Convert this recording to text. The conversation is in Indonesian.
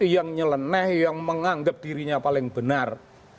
yang nyeleneh yang menganggap dirinya paling benar